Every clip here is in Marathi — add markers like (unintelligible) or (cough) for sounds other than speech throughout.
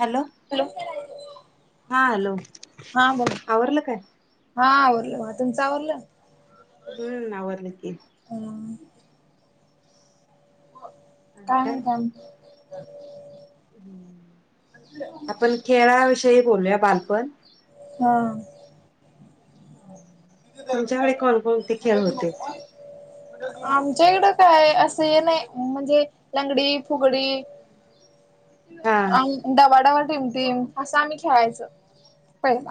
हॅलो हा हॅलो हा बोला अरल काय. हा आवरलं बघा तुमचं आवरलं. हम्म आवरले की. हॅलो. काय आपण. खेळाविषयी बोललूया बालपण. हा, तुमच्याकडे कोणकोणते खेळ होते? आमच्या इकडं काय? असं हे नाही. म्हणजे- लंगडी, फुगडी- हा अन डबा डबा टीम टीम असं आम्ही खेळायचो पहिला.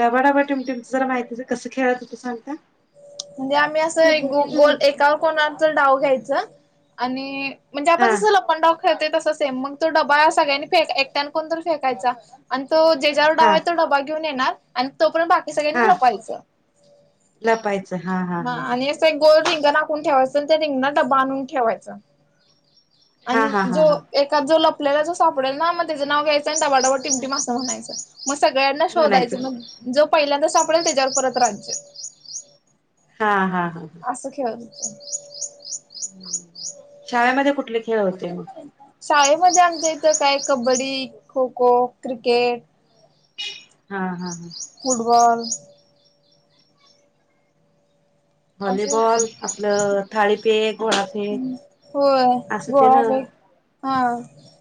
डबा डबा टीम टीम च जरा माहिती द्या. कस खेळत होता सांगता? म्हणजे आम्ही असं ग लगोट्या गोल. म्हणायचं. एकावर कोणावर डाव घ्यायच आणि- म्हणजे हा आपण जसं लपनडाव खेळतोय तसं सेम. मग तो डबा सगळ्यांनी फेक, एकट्यान कोण तरी फेकायचा. आणि तो जेच्यावर डाव हा आहे तो डबा घेऊन येणार. आणि तोपर्यंत बाकी हा सगळ्यांनी लपायच. लपायचं. हा हा हा हा. आणि गोल रिंगण आखून ठेवायचं. अन त्या रिंगणात डबा आणून ठेवायचा. हा आणि हा हा जो हा एक- का जो लपलेला जो सापडेल ना? मग त्याचं नाव घ्यायचं आणि डबा डबा टिम टीम असं म्हणायचं. मग सगळ्यांना म्हणायचं शोधायचं. मग जो पहिल्यांदा सापडेल त्याच्यावर परत राज्य. हा हा हा ह. असं खेळत होतं. शाळेमध्ये कुठले खेळ होते मग? शाळेमध्ये आमच्या इथ काय कबड्डी, खो खो, क्रिकेट- हा हा हा. फुटबॉल. असं व्हॉलीबॉल होत. आपलं थाळीफेक गोळाफेक हम् होय गोळा फेक. हा.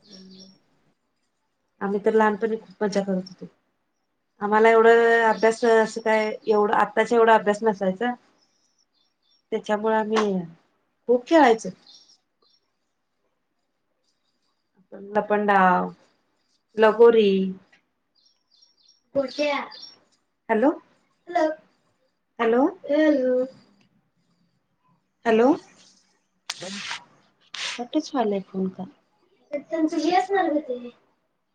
हम्म. आम्ही तर लहानपणी खूप मजा करत होतो. आम्हाला एवढं अभ्यास असं काय? एवढं आत्ताच्या एवढा अभ्यास नसायचा. त्याच्यामुळें आम्ही -खूप खेळायचो. लपंडाव, लगोरी. (unintelligible) हॅलो. हॅलो. हॅलो. (unintelligible)